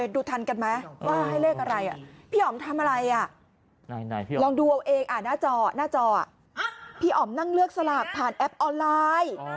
ดูทันกันไหมว่าให้เลขอะไร